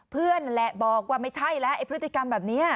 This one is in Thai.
นั่นแหละบอกว่าไม่ใช่แล้วไอ้พฤติกรรมแบบนี้